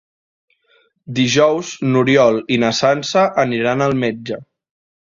Dijous n'Oriol i na Sança aniran al metge.